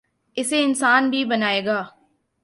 ، اسے انسان بھی بنائے گا۔